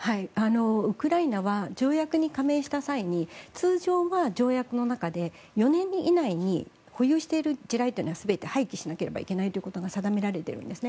ウクライナは条約に加盟した際に通常は条約の中で４年以内に保有している地雷を全て廃棄しなければいけないということが定められているんですね。